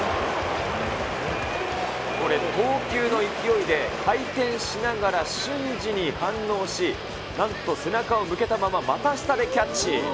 これ、投球の勢いで回転しながら瞬時に反応し、なんと背中を向けたまま、股下でキャッチ。